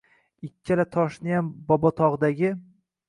Ikkala toshniyam Bobotog’dagi